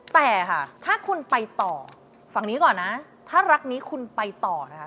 แต่ค่ะถ้าคุณไปต่อฝั่งนี้ก่อนนะถ้ารักนี้คุณไปต่อนะคะ